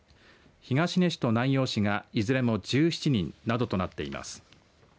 東根市と南陽市がいずれも１７人などとなっています。